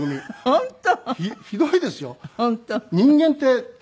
本当？